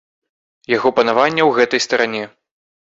Яго панавання ў гэтай старане.